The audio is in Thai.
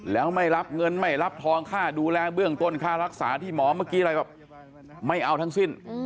แล้วไม่รับเงินไม่รับทองค่าดูแลเบื้องต้นค่ารักษาที่หมอเมื่อกี้อะไรแบบไม่เอาทั้งสิ้น